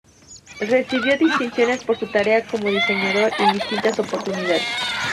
Recibió distinciones por su tarea como diseñador en distintas oportunidades.